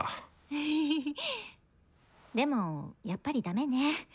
でもやっぱりダメねぇ。